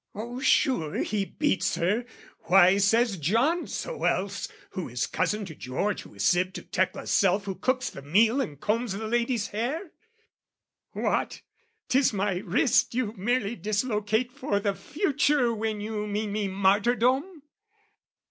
Oh, sure he beats her why says John so else, Who is cousin to George who is sib to Tecla's self Who cooks the meal and combs the lady's hair? What? 'Tis my wrist you merely dislocate For the future when you mean me martyrdom?